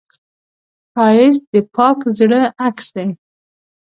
ښایست د پاک زړه عکس دی